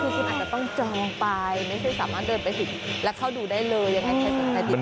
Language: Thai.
อ๋อคือคุณอาจจะต้องจองไปไม่ใช่สามารถเดินไปหลืมเข้าดูได้เลย